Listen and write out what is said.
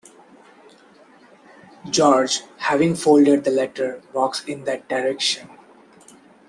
George, having folded the letter, walks in that direction.